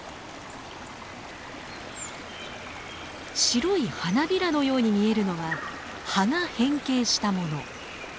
白い花びらのように見えるのは葉が変形したもの。